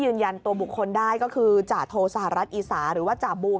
ยืนยันตัวบุคคลได้ก็คือจ่าโทสหรัฐอีสาหรือว่าจ่าบู